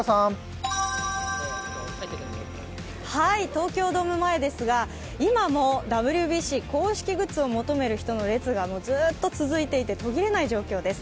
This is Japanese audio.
東京ドーム前ですが今もＷＢＣ公式グッズを求める人の列がずっと続いていて途切れない状況です。